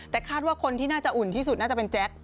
แต่คาดว่าคนที่น่าจะอุ่นที่สุดน่าจะเป็นแจ๊ค